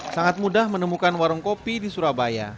sangat mudah menemukan warung kopi di surabaya